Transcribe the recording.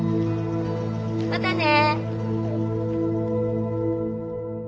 またね。